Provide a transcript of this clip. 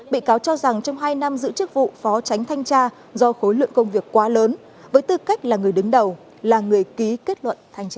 bị cáo cho rằng trong hai năm giữ chức vụ phó tránh thanh tra do khối lượng công việc quá lớn với tư cách là người đứng đầu là người ký kết luận thanh tra